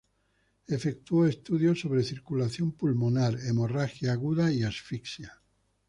Efectuó estudios sobre circulación pulmonar, hemorragia aguda y asfixia.